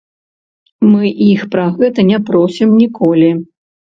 Мы іх пра гэта не просім ніколі.